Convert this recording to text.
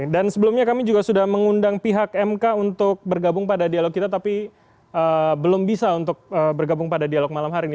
dan sebelumnya kami juga sudah mengundang pihak mk untuk bergabung pada dialog kita tapi belum bisa untuk bergabung pada dialog malam hari ini